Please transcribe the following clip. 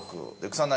草薙。